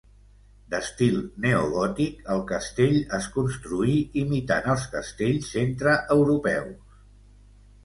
D'estil neogòtic, el castell es construí imitant els castells centreeuropeus.